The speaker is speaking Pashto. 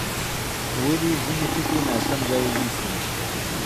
ولې ځینې ټکي ناسم ځای نیسي؟